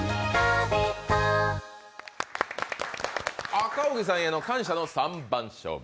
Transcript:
赤荻さんへの感謝の３番勝負。